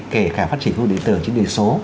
kể cả phát triển phương địa tưởng triển địa số